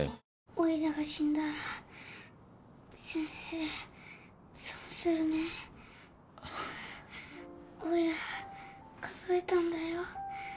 おいらが死んだら先生損するねおいら数えたんだよ